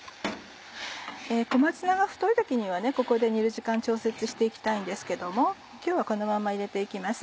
小松菜が太い時にはここで煮る時間調節して行きたいんですけども今日はこのまま入れて行きます。